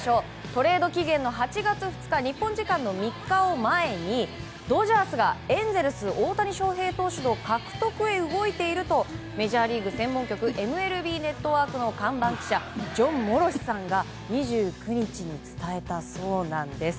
トレード期限の８月２日日本時間の３日を前にドジャースがエンゼルス、大谷翔平投手の獲得へ動いているとメジャーリーグ専門局ＭＬＢネットワークの看板記者ジョン・モロシさんが２９日に伝えたそうです。